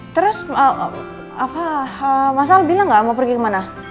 terus apa masal bilang gak mau pergi kemana